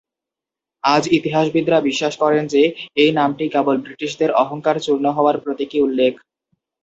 আজ ইতিহাসবিদরা বিশ্বাস করেন যে, এই নামটি কেবল ব্রিটিশদের অহংকার চূর্ণ হওয়ার প্রতীকী উল্লেখ।